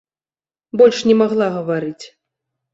Больш не магла гаварыць.